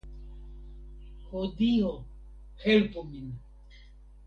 Ho Dio, helpu min!